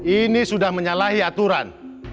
ini sudah menyalahi aturan